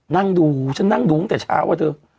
นั่งดูฉันนั่งดูตั้งแต่เช้าอะเธอ